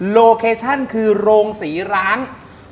โลเคชั่นคือโรงศรีร้าง